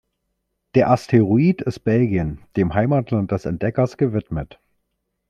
Der Asteroid ist Belgien, dem Heimatland des Entdeckers, gewidmet.